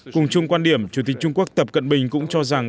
cùng chung quan điểm chủ tịch trung quốc tập cận bình cũng cho rằng